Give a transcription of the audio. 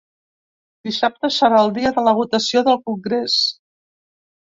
Dissabte serà el dia de la votació del congrés.